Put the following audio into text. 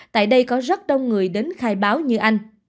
tại đây có rất đông người đến khai báo như anh